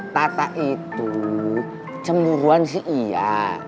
tata itu cemburuan sih iya